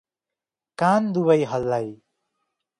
कान दुवै हल्लाई ।